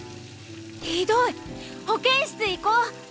ひどい保健室行こう！